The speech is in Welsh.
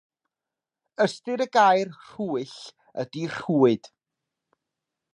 Ystyr y gair rhwyll ydy rhwyd.